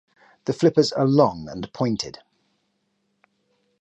The flippers are long and pointed.